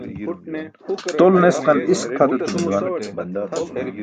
Tol nesqan isk pʰat etum juwan.